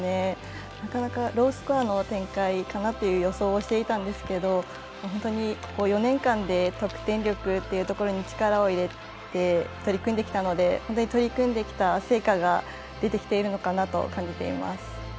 ロースコアの展開かなという予想をしていたんですけどここ４年間で得点力というところに力を入れて、取り組んできたので取り組んできた成果が出てきているのかなと感じています。